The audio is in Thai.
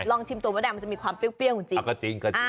ชิมตัวมดแดงมันจะมีความเปรี้ยวจริง